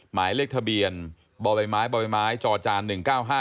หมายเลขทะเบียนบ่อใบไม้บ่อใบไม้จอจานหนึ่งเก้าห้า